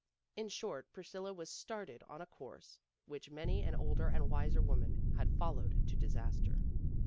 In short, Priscilla was started on a course which many an older and wiser woman has followed to disaster.